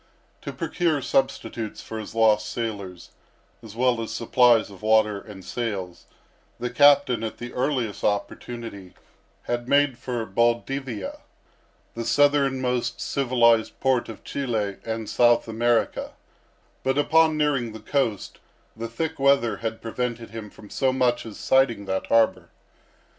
To procure substitutes for his lost sailors, as well as supplies of water and sails, the captain, at the earliest opportunity, had made for Baldivia, the southernmost civilized port of Chili and South America; but upon nearing the coast the thick weather had prevented him from so much as sighting that harbor.